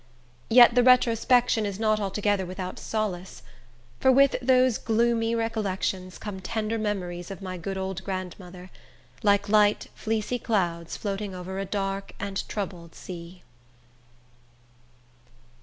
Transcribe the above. Yet the retrospection is not altogether without solace; for with those gloomy recollections come tender memories of my good old grandmother, like light, fleecy clouds floating over a dark and troubled sea.